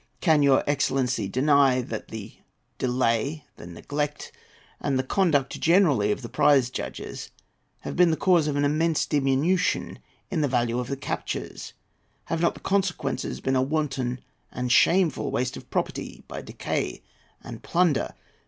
Can your excellency deny that the delay, the neglect, and the conduct generally of the prize judges, have been the cause of an immense diminution in the value of the captures? Have not the consequences been a wanton and shameful waste of property by decay and plunder?